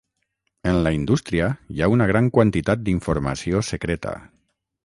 En la indústria hi ha una gran quantitat d'informació secreta.